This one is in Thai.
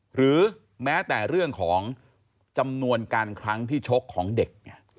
หรือแม้แต่เรื่องของจำนวนการครั้งที่ชกของเด็ก